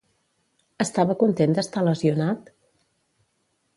Estava content d'estar lesionat?